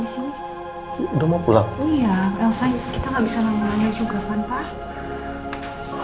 yaudah gak masalah papa pulang ya